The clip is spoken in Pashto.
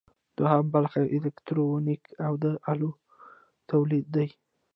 دوهم برخه الکترونیک او د الو تولید دی.